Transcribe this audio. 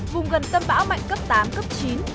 vùng gần tâm bão mạnh cấp tám cấp chín